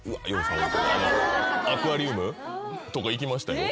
アクアリウムとか行きましたよ。